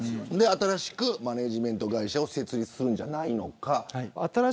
新しくマネジメント会社を設立するんじゃないかと。